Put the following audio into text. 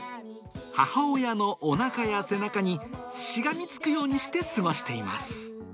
母親のおなかや背中に、しがみつくようにして過ごしています。